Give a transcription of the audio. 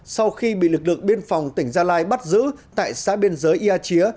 sau khi bị lực lượng biên phòng tỉnh gia lai bắt giữ tại xã biên giới ia chía